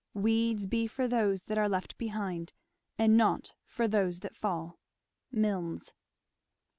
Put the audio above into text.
Weeds be for those that are left behind, And not for those that fall! Milnes.